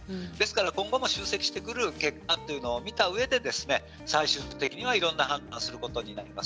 今後は集積する結果を見たうえで最終的にいろんな判断をすることになります。